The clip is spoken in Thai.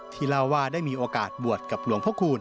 เล่าว่าได้มีโอกาสบวชกับหลวงพระคูณ